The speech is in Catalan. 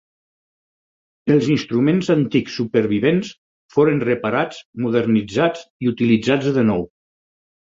Els instruments antics supervivents foren reparats, modernitzats i utilitzats de nou.